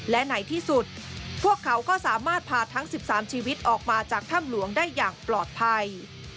และไหนที่สุดพวกเขาก็สามารถพาทั้ง๑๓ชีวิตออกมาจากถ้ำหลวงได้อย่างปลอดภัย